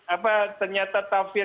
apa ternyata tafsir